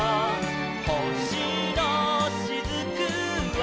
「ほしのしずくは」